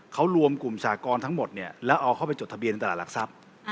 เขารวมกลุ่มสากรทั้งหมดเนี่ยแล้วเอาเข้าไปจดทะเบียนตลาดหลักทรัพย์